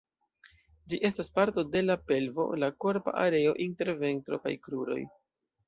Ĝi estas parto de la pelvo, la korpa areo inter ventro kaj kruroj.